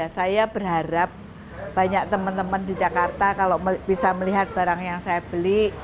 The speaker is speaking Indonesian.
saya berharap banyak teman teman di jakarta kalau bisa melihat barang yang saya beli